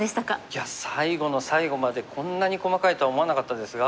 いや最後の最後までこんなに細かいとは思わなかったですが。